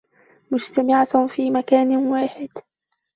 مجتمعة في مكان واحد